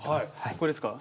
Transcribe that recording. ここですか。